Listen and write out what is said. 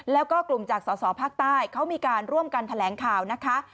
แล้วก็กลุ่มจากสอสอภาคใต้เขามีการร่วมกันแถลงข่าวนะคะ